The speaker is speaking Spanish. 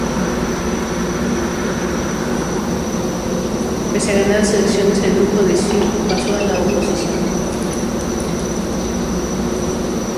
Pese a ganar las elecciones, el grupo de CiU pasó a la oposición.